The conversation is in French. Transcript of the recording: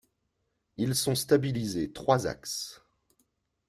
Ils sont stabilisés trois axes.